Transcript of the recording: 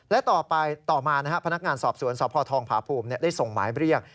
และต่อมาพนักงานสอบสวนสธภาภูมิได้ส่งหมายเรียก